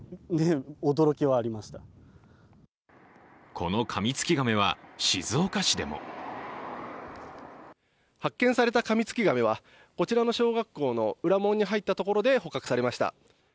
このカミツキガメは静岡市でも発見されたカミツキガメはこちらの小学校の裏門に入ったところで捕獲されました。